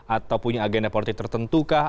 atau punya agenda politik tertentu kah